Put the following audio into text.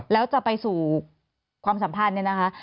แล้วจะไปสู่ความสัมพันธ์เนี่ยนะคะ